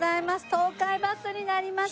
東海バスになります！